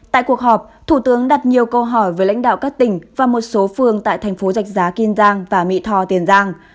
tại cuộc họp thủ tướng đặt nhiều câu hỏi với lãnh đạo các tỉnh và một số phương tại thành phố giạch giá kiên giang và mỹ thò tiền giang